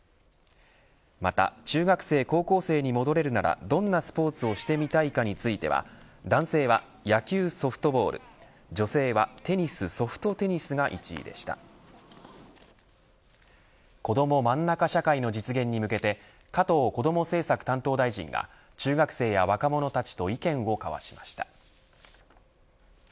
また、中学生・高校生に戻れるならどんなスポーツをしてみたいかについては男性は野球・ソフトボール女性はテニス・ソフトテニスが１位でしたこどもまんなか社会の実現に向けて加藤こども政策担当大臣が中学生や若者たちと意見を交わしました。